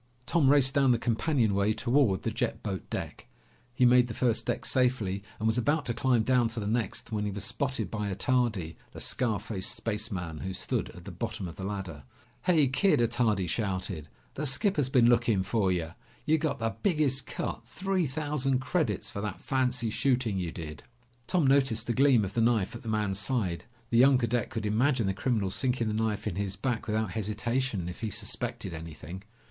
Tom raced down the companionway toward the jet boat deck. He made the first deck safely and was about to climb down to the next when he was spotted by Attardi, the scar faced spaceman, who stood at the bottom of the ladder. "Hey, Kid!" Attardi shouted. "The skipper's been looking for ya. You got the biggest cut. Three thousand credits for that fancy shooting you did!" Tom noticed the gleam of the knife at the man's side. The young cadet could imagine the criminal sinking the knife in his back without hesitation, if he suspected anything.